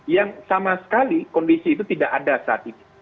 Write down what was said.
yang sama sekali kondisi itu tidak ada saat ini